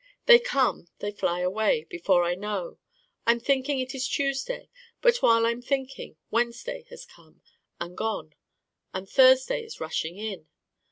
They come, they fly away before I know. I'm thinking it is Tuesday: but while I'm thinking Wednesday has come: and gone: and Thursday is rushing in.